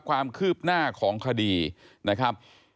ความคืบหน้าของคดีนะครับ